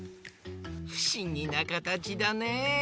ふしぎなかたちだね。